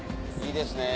いいですね。